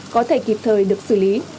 có thể kịp thời được xử lý